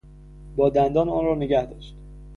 با دندان آن را نگهداشت.